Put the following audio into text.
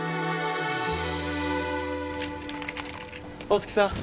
大月さん。